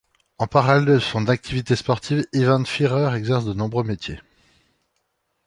En parrallèle de son activité sportive, Ivan Firer exerce de nombreux métiers.